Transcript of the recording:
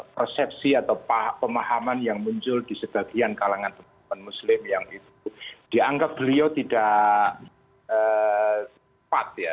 persepsi atau pemahaman yang muncul di sebagian kalangan teman teman muslim yang itu dianggap beliau tidak tepat ya